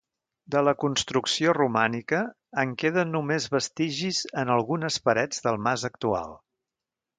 De la construcció romànica en queden només vestigis en algunes parets del mas actual.